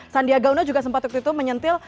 sandiaga uno juga sempat menyetir